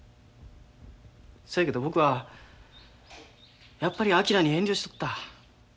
そやけど僕はやっぱり昭に遠慮しとった。